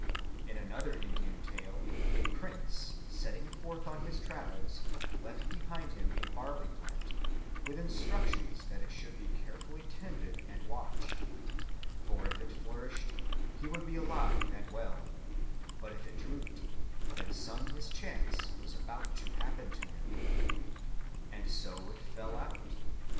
In another Indian tale a prince, setting forth on his travels, left behind him a barley plant, with instructions that it should be carefully tended and watched; for if it flourished, he would be alive and well, but if it drooped, then some mischance was about to happen to him. And so it fell out.